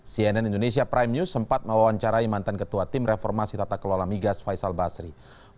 cnn indonesia prime news sempat mewawancarai mantan ketua tim reformasi tata kelola migas faisal basri